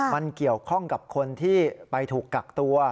มันเกี่ยวข้องกับคนที่ไปถูกกักตัว